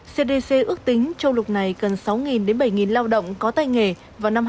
cdc ước tính châu lục này cần sáu bảy lao động có tài nghề vào năm hai nghìn ba mươi